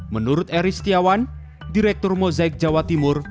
menurut eris tiawan direktur mozaik jawa timur